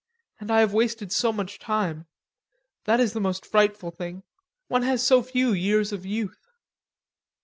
And I have wasted so much time.... That is the most frightful thing. One has so few years of youth!"